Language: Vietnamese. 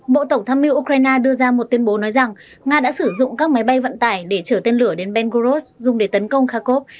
bộ tổng thăm mưu ukraine đưa ra một tuyên bố nói rằng nga đã sử dụng các máy bay vận tải để chở tên lửa đến bengal road dùng để tấn công kharkov